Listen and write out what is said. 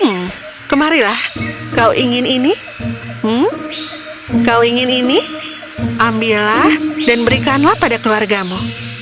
hmm kemarilah kau ingin ini kau ingin ini ambillah dan berikanlah pada keluargamu